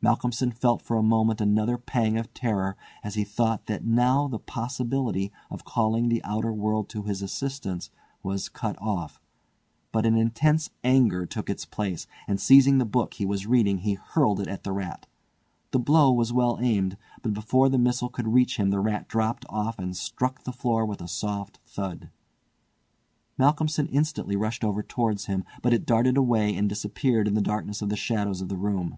Malcolmson felt for a moment another pang of terror as he thought that now the possibility of calling the outer world to his assistance was cut off, but an intense anger took its place, and seizing the book he was reading he hurled it at the rat. The blow was well aimed, but before the missile could reach him the rat dropped off and struck the floor with a soft thud. Malcolmson instantly rushed over towards him, but it darted away and disappeared in the darkness of the shadows of the room.